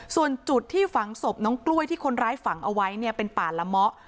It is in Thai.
ส่วนจุดที่ฝังศพน้องกล้วยที่คนร้ายฝังเอาไว้เนี่ยเป็นป่าละเมาะ